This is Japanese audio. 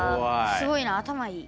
すごいな頭いい。